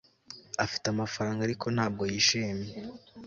Afite amafaranga ariko ntabwo yishimye